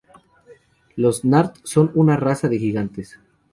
Los nart son una raza de gigantes.